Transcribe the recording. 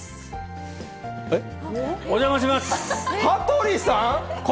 羽鳥さん？